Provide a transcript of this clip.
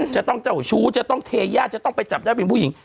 จะต้องเจ้าชู้จะต้องเทยาจะต้องไปจับได้เป็นผู้หญิง